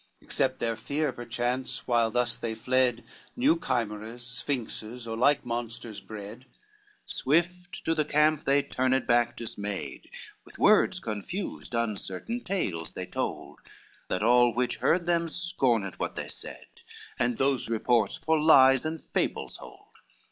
Except their fear perchance while thus they fled, New chimeras, sphinxes, or like monsters bred: XIX Swift to the camp they turned back dismayed, With words confused uncertain tales they told, That all which heard them scorned what they said And those reports for lies and fables hold.